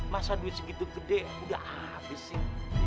masa duit segitu gede udah habis sih